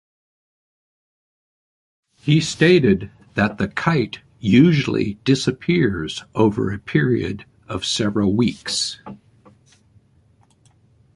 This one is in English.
He stated that the kite usually disappears over a period of several weeks.